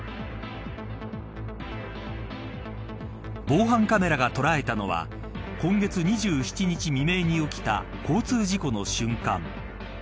防犯カメラが捉えたのは今月２７日未明に起きた交通事故の瞬間。